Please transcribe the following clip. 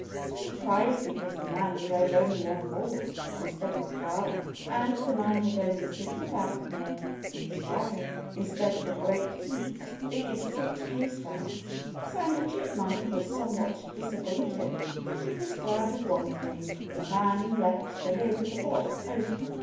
He was surprised because the man drove only one horse, instead of twelve. And the man had only a single bag of mail in his wagon, instead of a great heap as big as six haystacks. Sandy Chipmunk was somewhat disappointed. But he was glad of one thing: The man left the lid of the box open.